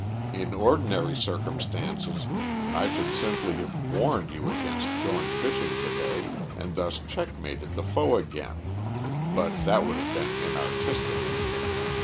In ordinary circumstances I should simply have warned you against going fishing to day, and thus checkmated the foe again; but that would have been inartistic.